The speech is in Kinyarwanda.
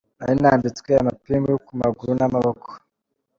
Nari nambitswe amapingu ku maguru n’amaboko.